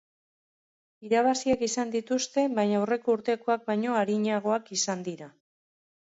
Irabaziak izan dituzte, baina aurreko urtekoak baino arinagoak izan dira.